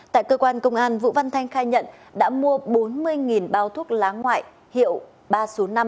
tại cơ quan công an vũ văn thanh khai nhận đã mua bốn mươi bao thuốc lá ngoại hiệu ba số năm